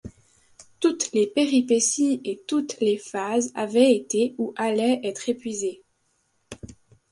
Toutes les péripéties et toutes les phases avaient été ou allaient être épuisées.